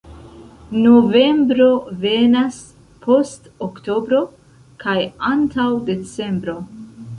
Novembro venas post oktobro kaj antaŭ decembro.